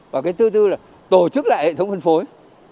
và cái thứ tư là tổ chức lại hệ thống phân phối